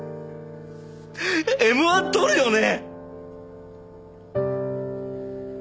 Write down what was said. Ｍ‐１獲るよね？